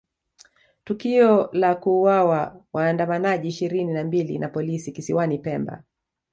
Tukio la kuuawa waandamanaji ishirini na mbili na polisi kisiwani Pemba